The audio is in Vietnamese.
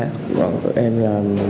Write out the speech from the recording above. còn em là